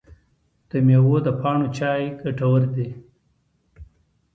د میوو د پاڼو چای ګټور دی؟